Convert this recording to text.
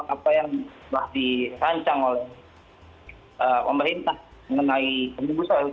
kita tetap menolak apa yang telah dirancang oleh pemerintah